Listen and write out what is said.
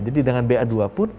jadi dengan ba dua pun